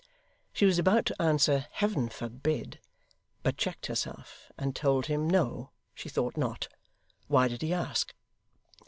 She was about to answer 'Heaven forbid!' but checked herself, and told him No, she thought not; why did he ask?